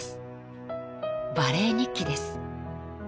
［バレー日記です］